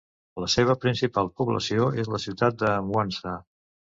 La seva principal població és la ciutat de Mwanza.